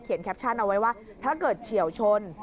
แคปชั่นเอาไว้ว่าถ้าเกิดเฉียวชน